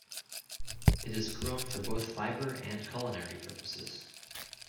It is grown for both fiber and culinary purposes.